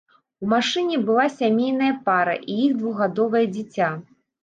У машыне была сямейная пара і іх двухгадовае дзіця.